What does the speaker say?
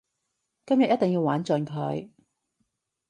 今日一定要玩盡佢